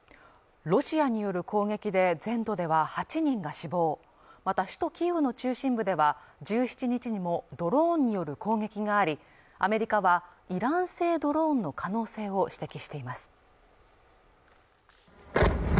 ロシアによる攻撃で全土では８人が死亡また首都キーウの中心部では１７日にもドローンによる攻撃がありアメリカはイラン製ドローンの可能性を指摘しています